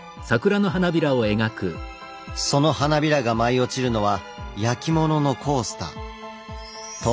その花びらが舞い落ちるのは焼き物のコースター。